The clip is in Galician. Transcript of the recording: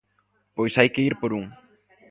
_Pois hai que ir por un.